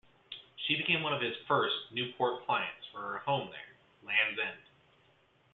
She became one of his first Newport clients for her home there, Land's End.